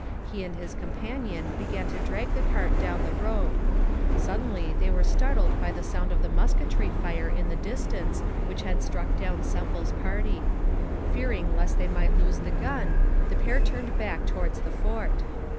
He and his companion began to drag the cart down the road. Suddenly they were startled by the sound of the musketry fire in the distance which had struck down Semple's party. Fearing lest they might lose the gun, the pair turned back towards the fort.